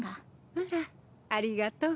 あらありがとう。